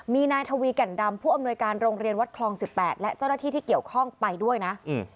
มีนายทวีแก่นดำผู้อำนวยการโรงเรียนวัดคลอง๑๘และเจ้าหน้าที่ที่เกี่ยวข้องไปด้วยนะ